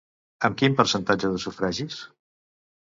Amb quin percentatge de sufragis?